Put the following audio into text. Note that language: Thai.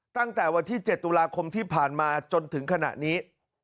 ตั้งแต่วันที่๗ตุลาคมที่ผ่านมาจนถึงขณะนี้